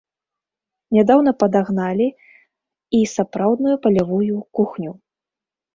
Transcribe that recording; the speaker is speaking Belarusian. Нядаўна падагналі і сапраўдную палявую кухню.